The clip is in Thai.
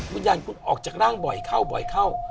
วิญญาณคุณออกจากร่างบ่อยเข้า